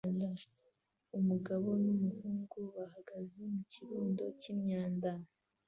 Umugabo n'umuhungu bahagaze mu kirundo cy'imyanda